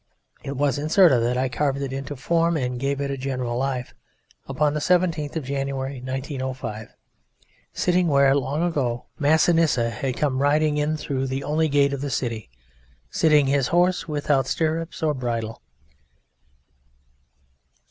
It was in Cirta that I carved it into form and gave it a general life, upon the 17th of January, 1905, sitting where long ago Massinissa had come riding in through the only gate of the city, sitting his horse without stirrups or bridle.